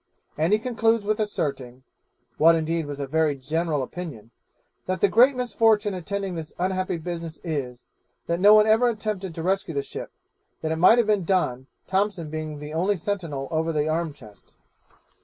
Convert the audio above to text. And he concludes with asserting (what indeed was a very general opinion), 'that the great misfortune attending this unhappy business is, that no one ever attempted to rescue the ship; that it might have been done, Thompson being the only sentinel over the arm chest.'